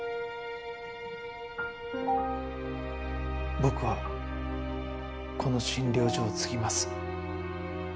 僕はこの診療所を継ぎます。